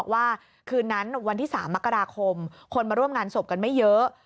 วันที่๓มกราคมคนมาร่วมงานศพกันไม่เยอะ